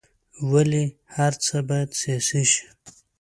ولې هر څه باید سیاسي شي.